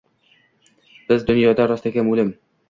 Biz dunyoda rostakam o’lim